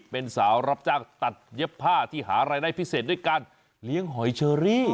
เป็นสาวรับจ้างตัดเย็บผ้าที่หารายได้พิเศษด้วยการเลี้ยงหอยเชอรี่